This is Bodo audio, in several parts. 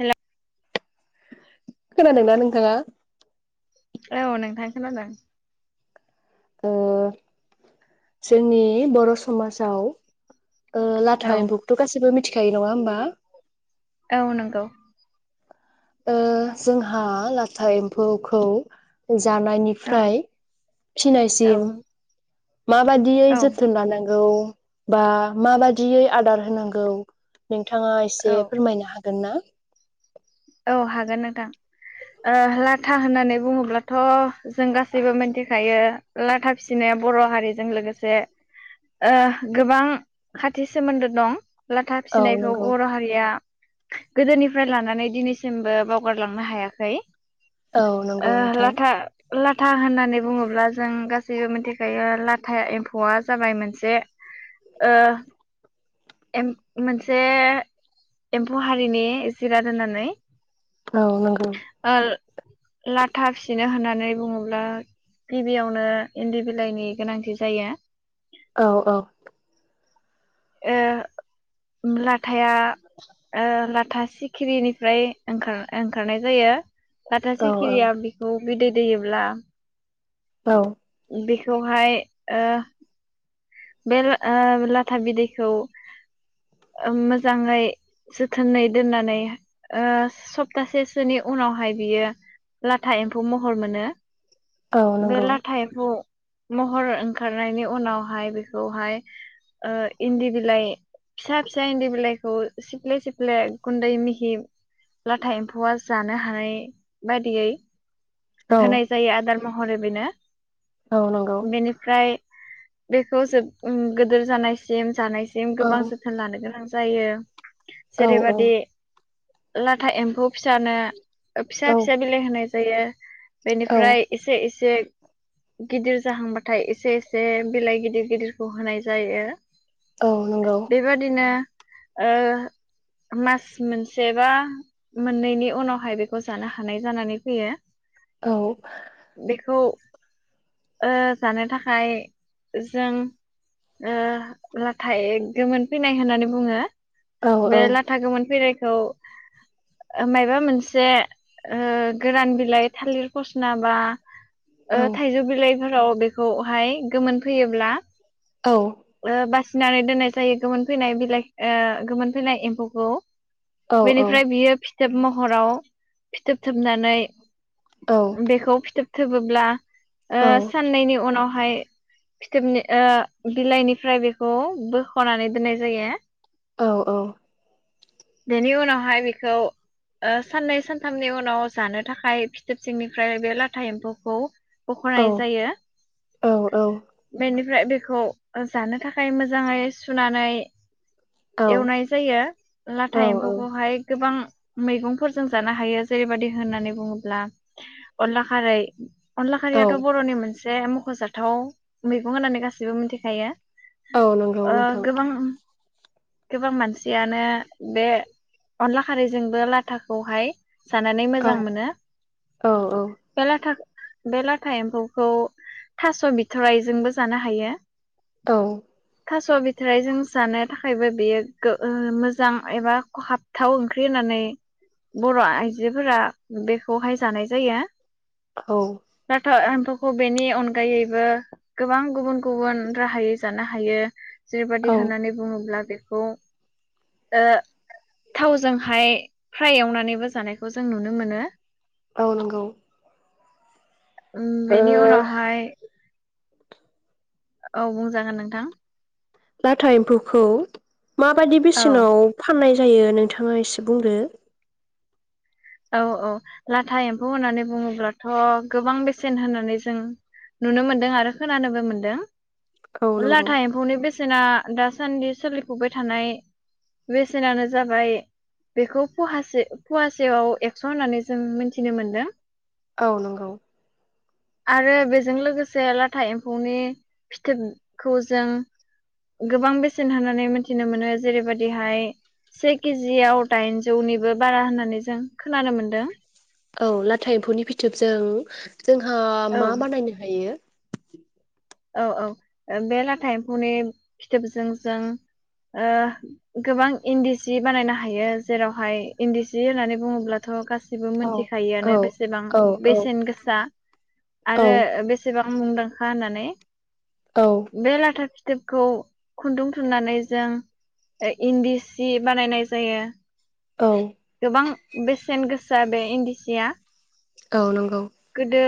हेल खोनादोंना नोंथाङा? औ नोंथां खोनादों । ओ जोंनि बर' समाजाव ओ औ लाथा एम्फौखौथ' गासिबो मिथि थिखायो नङा होमबा? औ नंगौ । ओ जोंहा लाथा एम्फौखौ ज औ जानायनिफ्राय औ फिनायसिम माबादियै औ जोथोन लानां गौ बा माबादियै आदार होनांगौ नोंथाङा एसे औ फोरमायनो हाग गोनना? औ हागोन नोंथां । ओ लाथा होननानै बुङोब्लाथ ' जों गासैबो मिन्थिखायो लाथा फिसिनाया बर' हारिजों लोगोसे ओ गोबां खाथि सोमोन्दो दं । लाथा औ फिसिनायखौ नंगौ बर' हारिया गोदोनिफ्राय लानानै दिनै सिमबो बावगारलांनो हायाखै औ । नंगौ ओ नोंथां लाथा लाथा होननानै बुङोब्ला जों गासैबो मिथिखायो लाथा एम्फौआ जाबाय मोनसे ओ मोनसे एम्फौ हारिनि जिराद दोननानै औ नोंगौ । लाथा फिनो होननानै बुङोब्ला गिबियावनो इन्दि बिलाइनि गोनांथि जायो । औ औ । ओ ला लाथाया ओ ला था सिखिरिनिफ्राय ओंखार ओंखारनाय जायो । लाथा औ औ सिखिरिया बेखौ बिदै दैयोब्ला औ । बेखौहाय ओ बे लाथा बिदैखौ मोजाङै जोथोनै दोननानै सप्तासेसोनि उनावहाय बियो लाथा एम्फौ महर मोनो । औ बे नंगौ लाथा एमफौ महर ओंखारनायनि उनावहाय बे बे खौहाय इन्दि बिलाइ फिसा फिसा इन्दि बिलाइखौ सिफ्ले सिफ्ले गुन्दै मिहि लाथा एम्फौआ जानो हानाय बायदियै औ होनाय जायो आदार महर बेनो औ नंगौ बेनिफ्राय बे जोब गिदिर जानायसिम जानायसिम सिम औ गोबां जोथोन लानो गोनां जायो । औ जेरै औ बादि लाथा एम्फौ फिसानो फिसा औ फिसा बिलाइ होनाय जायो । औ बेनिफ्राय एसे एसे एसे गिदिर जाहांबाथाय एसे एसे बिलाइ गिदिर गिदिरखौ होनाय जायो औ नंगौ । बेबादिनो ओ मास मोनसे बा मोननैनि उनावहाय बेखौ जानो हानाय जानानै फैयो। औ । बेखौ ओ जानो थाखाय जों ओ लाथाय गोमोन फैनाय होननानै बुङो। औ औ बे लाथा गोमोन फैनाय खौ माबा मोनसे ओ गोरान बिलाइ थालिर फस्ला बा ओ औ थाइजौ बिलाइफोराव बेखौहाय गोमोन फैयो ब्ला औ ओ बासि सिनानै दोननाय जायो गोमोन फैनाय बिलाइ ओ गोमोन फैनाय एम्फौखौ। औ बेनिफ्राय बियो फि थोब महराव फिथोब थोबनानै औ बेखौ फिथोब थोबोब्ला ओ औ साननैनि उनाव हाय फिथोबनि ओ बिलाइनिफ्राय बेखौ बोखनानै दोननाय जायो। औ औ। बेनि उनावहाय बेखौ ओ साननै सानथामनि उनाव जानो थाखाय फिथोब सिंनिफ्राय बे लाथा एम्फौखौ औ बख'नाय जायो औ औ। बेनिफ्राय बेखौ जानो थाखाय मोजाङै सुनानै औ एवनाय जायो। औ लाथा औ एम्फौखौहाय गोबां मैगंफोरजों जानो हायो जेरैबादि होननानै बुङोब्ला अनला खारै अनला खारियाथ बर'नि मोनसे जे मखजाथाव मैगं होननानै गासैबो मिथिखायो। औ नंगौ ओ नोंथां। गोबां गोबां मानसियानो बे अनला खारैजोंबो लाथाखौहाय जानानै औ मोजां मोनो। औ औ बे लाथा बे लाथा एम्फौखौ थास बि थरायजोंबो जानो हायो। औ। थास बिथाइ जों जानो थाखायबो बेयो गो मोजां एबा खहाबथाव ओंख्रि होननानै बर' आइजोफोरा बेखौहाय जानाय जायो। औ दाथ खौ बेनि अनगायैबो गोबां गुबुन गुबुन राहायै जानो हायो। औ जेरैबाददि होननानै बुङोब्ला बे खौ ओ थावजोंहाय फ्राय एवनानैबो जानायखौ जों नुनो मोनो। औ नंगौ। उम ओ बेनि उनावहाय औ बुंजागोन नोंथां। लाथा एम्फौखौ माबायदि औ बेसेनाव फाननाय जायो नोंथाङा एसे बुंदो? औ औ लाथा एम्फौ होननानै बुङोब्लाथ' गोबां बेसेन होननानै जों नुनो मोनदों आरो खोनानोबो मोनदों। औ नंगौ लाथा एम्फौनि बेसे बेसेना दासान्दि सोलिफुबाय थानाय बेसेनानो जाबाय बेखौ फवासे फवासेयाव एक्स' होननानै जों मिथिनो मोनदों। औ नंगौ। आरो बेजों लोगोसे लाथा एम्फौनि फिथोबखौ जों गोबां बेसेन होननानै मिथिनो मोनो जेरैबायदिहाय से के जि याव दाइनजौनिबो बारा होननानै जों खोनानो मोन्दों। औ लाथा एम्फौनि फिथोबजों [inaudible] जोंहा औ मा बानायनो हायो? [inaudible] औ औ बे लाथा एम्फौनि फिथोबजों जों ओ गोबां इन्दि सि बानायनो हायो जेरावहाय इन्दि सि होननानै बुङोब्लाथ' गासि बो औ औ मिथिखायोआनो बेसेबां औ औ बेसेन गोसा। आरो औ बेसेबा मुंदांखा होननानै औ बे लाथा फिथोबखौ खुन्दुं थुननानै जों इन्दि सि बानायनाय जायो। औ। बां बेसेन गोसा बे इन्दि सिया। औ नंगौ। गोदो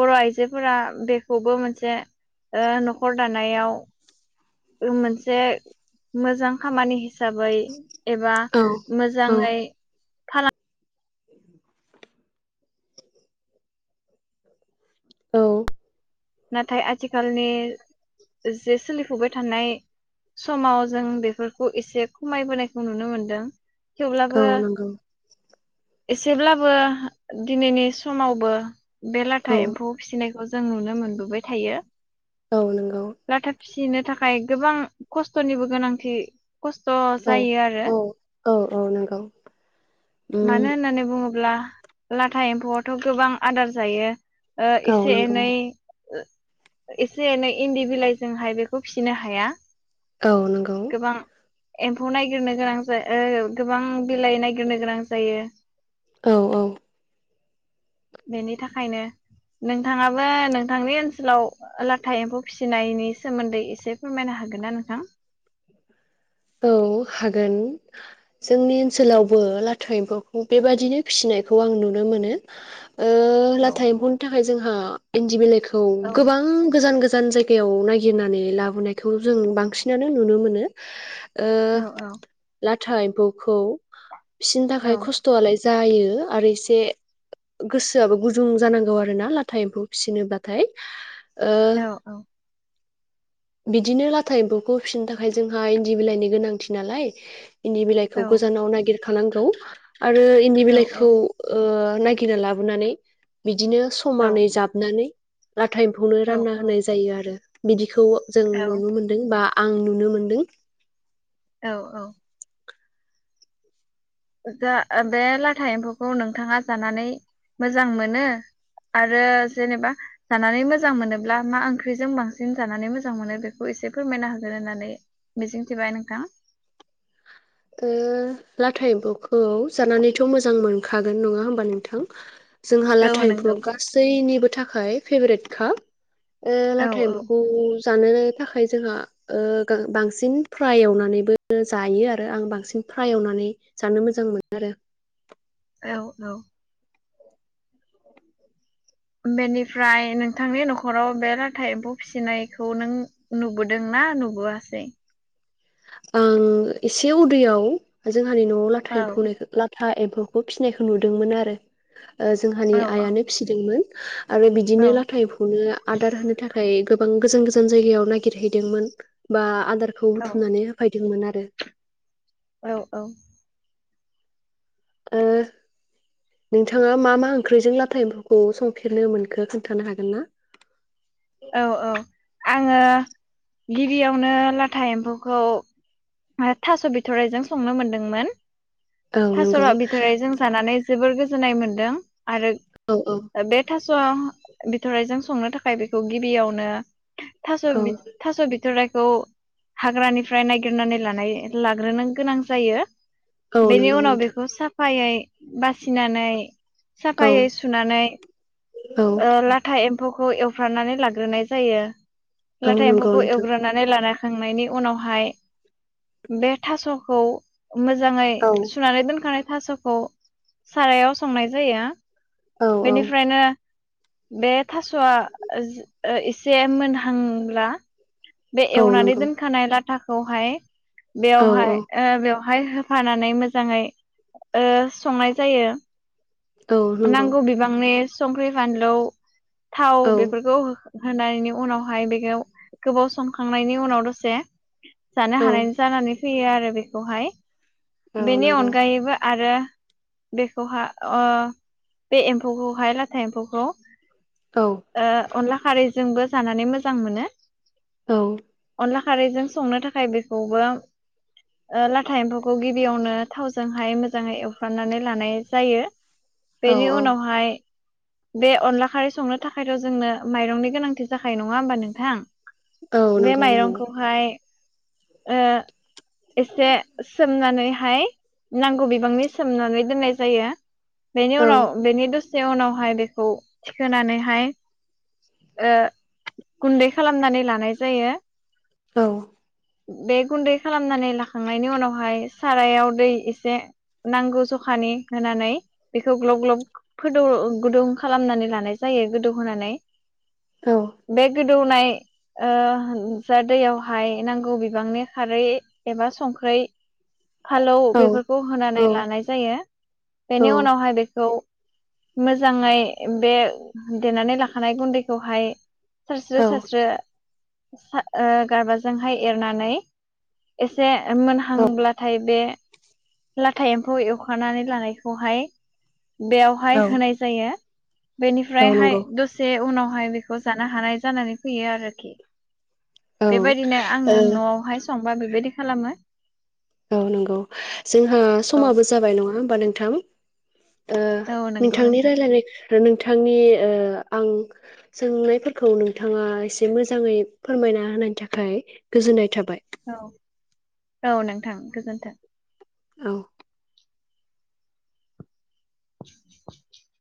बर' आइजोफोरा बेखौबो मोनसे ओ न'खर दानायाव मोनसे मोजां खामानि हि हिसाबै एबा औ औ मोजाङै फाला [inaudible] औ। नाथाय आथिखालनि जे सोलिफुबाय थानाय समाव जों बेफोरखौ इसे खमायबोनायखौ नुनो मोनदों। औ थेवब्लाबो नोंगौ। एसेब्लाबो दिनैनि समावबो बे औ लाथा एम्फौ फिसिनाय जों नुनो मोन नुबाय थायो। औ नोंगौ सिनो थाखाय गोबां खस्तनिबो गोनांथि खस्त औ जायो आरो औ औ नंगौ मानो उम होननानै बुङोब्ला लाथा एम्फौआथ गोबां आदार जायो। ओ औ इसे नंगौ एनै। ओ इसे एनै इन्दि बिलाइजोंहाय बेखौ फिसिनो हाया। औ नोंगौ गोबां एम्फौ नायगिरनो गोनां जा ओ गोबां बिलाइ नायगिरनो गोनां जायो औ औ बेनि थाखायनो नोंथाङाबो नों थांनि ओनसोलाव लाथा एम्फौ फिसिनायनि सोमोन्दै इसे फोरमायनो हागोन ना नोंथां औ हागोन जोंनि ओनसोलावबो लाथा एम्फौखौ बेबादिनो फिसिनायखौ आं नुनो मोनो ओह औ लाथा एम्फौनि थाखाय जोंहा इनजि बिलाइखो औ गोबां गोजान गोज जान जायगायाव नागिरनानै लाबोनायखौ जों बांसिनानो नुनो मोनो। ओ औ औ लाथ था एम्फौखौ। फिसिनो औ थाखाय खस्तआलाय जायो आरो इसे गोसोआबो गुजुं जानांगौ आरो ना लाथा एम्फौ फिसिनोबाथाय। ओ औ औ बिदिनो लाथा एम्फौखौ फिसिनो थाखाय जोंहा इन्दि बिलाइनि गोनांथि नालाय इनदि बिलाइखौ औ गोजानाव नागिर खानांगौ। आरो इन्दि औ बिलाइखौ ओ नागिरना लाबोनानै बिदिनो समानै जाबनानै लाथा एम्फौनो औ रानना होनाय जायो आरो बेखौ जों नुनो मोनदों बा ओं नुनो मोनदों। औ औ। जा बे लाथा एम्फौखौ नोंथाङा जानानै मोजां मोनो आरो जेनेबा जानानै मोजां मोनोब्ला मा ओंख्रिजों बांसिन जानानै मोजां मोनो बेखौ एसे फोरमायना होगोन होननानै मिजिंथिबाय नोंथां। ओ लाथा एम्फौखौ जानानैथ मोजां मोनखागोन नङा होमबा नोंथां। जोंहा औ लाथा एम्फौ नंगौ गासैनिबो थाख खाय फेभ्रेट खा। ओ औ लाथा औ एम्फौखौ जानोनो थाखाय जोंहा ओ बांसिन फ्राय एवनानैबो जायो आरो आं बांसिन फ्राय एवनानै जानो मोजां मोनो आरो। औ औ। बेनिफ्राय नोंथांनि नख'राव बे लाथा एम्फौ फिसिनायखौ नों नुबोदों ना नुबोआसै? ओं एसे उदैयाव जों हानि न'आव लाथा औ एम्फौनायखौ लाथा था एम्फौखौ फिसिनायखौ नुदोंमोन आरो। ओ जोंहानि औ औ आइयानो फिसिदोंमोन। [inaudible] आरो बिदिनो लाथा एम्फौनो आदार होनो थाखाय बां गोजान गोजान जायगायाव नागिरहैदोंमोन बा आदारखौ थुमनानै होफायो दोंमोन आरो। औ औ। ओ नोंथाङा मा मा ओंख्रिजों लाथा एम्फौखौ संफेरनो मोनखो खोन्थानो हागोन ना? औ औ आङो गिबियावनो लाथा एम्फौखौ थास' बिथ'रायजों संनो मोनदोंमोन। औ थास' नंगौ बिथ'रायजों जानानै जोबोर गो जोननाय मोन्दों। आरो औ औ बे थास' स' बिथ'राइजों संनो थाखाय बेखौ खौ गिबियावनो - थास' औ बिथ' थास' बिथ'राइ खौ हाग्रानिफ्राय नायगिरनानै लानाय लाग्रोनो गोनां जायो। औ बेनि नंगौ उनाव नोंथां बेखौ साफ साफायै बासिनानै औ साफायै सुनानै औ ओ लाथा एम्फौखौ एव एवफानानै लाग्रोनाय जायो। औ लाथा नंगौ एम्फौखौ नोंथां एवग्रोनानै लाना खांनायनि उनावहाय बे थास'खौ मोजाङै औ सुनानै दोनखानाय थास'खौ सारायाव संनाय जायो। औ बेनिफ्रायनो बे थास'आ ओ एसे मोनहांब्ला बे औ एवनानै नंगौ दोनखानाय ला थाखौहाय औ बेवहाय औ ओ बेव हाय होफानानै मोजाङै संनाय जायो। औ नंगौ नांगौ बिबांनि संख्रै फानलौ थाव औ बेफोरखौ हो होनायनि उनावहाय बेखौ गोबाव संखांनायनि उनाव दसे। जानो औ हानायनि जानानै। होयो आरो बेखौहाय औ बेनि नंगौ अनगायैबो आरो। बेखौहा ओ बे एम्फौखौहाय लाथा एम्फौखौ। औ ओह अनला खारैजोंबो जानानै मोजां मोनो। औ। अनला खारैजों संनो थाखाय बेखौबो ओ लाथा एम्फौखौ गिबियावनो थावजोंहाय मोजाङै एवफ्राननानै लानाय जायो। औ बेनि उनावहाय बे अनला खारै संनो थाखायथ जोंनो माइरंनि गोनांथि जाखायो नङा होमबा नोंथां? औ बे नंगौ नंगौ माइरंखौहाय ओह एसे सोमनानै हाय नांगौ बिबांनि सोमनानै दोननाय जायो। बेनि औ उनाव बेनि दसे से उनावहाय बेखौ थिखोनानैहाय ओ गुन्दै खालामनानै लानाय जायो। औ। बे गुन्दै खालामनानै लाखांनायनि उनावहाय सारायाव दै एसे नांगौ जखानि होनानै। बेखौ ग्लब ग्लब फोदौ ओ गुदों खालामनानै लानाय जायो गोदौ होनानै। औ बे गो दौनाय ओ जा दैयावहाय नांगौ बिबांनि खारै एबा संख्रै। फालौ औ बेफोरखौ होनानै औ लानाय जायो। औ बेनि औ नंगौ उनावहाय बेखौ। खौ मोजाङै बे देनानै लाखानाय गुन्दैखौहाय। सारस्रो सारस्रो। ओह गारबाजोंहाय एरनानै एसे औ मोनहांब्लाथाय बे लाथा एम्फौ एवखनानै लानायखौ खौहाय ओ बेवहाय होनाय जायो औ बेनिफ्रायहाय नंगौ दसे उनाव हाय बेखौ जानो हानाय जानानै फैयो आरोखि बेबायदिनो आङो नआवहाय संबा बेबायदि खालामो औ नंगौ जोंहा औ समाबो जाबाय नङा हो बा नोंथां? ओ औ नंगौ नोंथांनि नोंथां रायलायनाय नोंथांनि ओ आं सोंनायफोरखौ नोंथाङा एसे मोजाङै फोरमायना होनायनि थाखाय गोजोननाय थाबाय। औ। औ नोंथां गोजोन्थों। औ [inaudible]